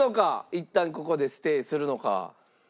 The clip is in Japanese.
いったんここでステイするのか？